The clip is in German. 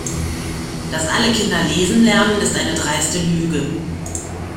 Dass alle Kinder lesen lernen, ist eine dreiste Lüge.